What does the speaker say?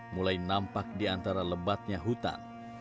mulai nampak di antara lebatnya hutan